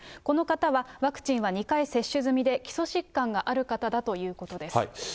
この方は、ワクチンは２回接種済みで、基礎疾患がある方だということです。